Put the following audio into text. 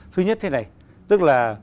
thứ nhất thế này tức là